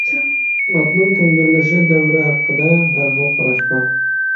ئاتنىڭ كۆندۈرۈلۈش دەۋرى ھەققىدە ھەر خىل قاراش بار.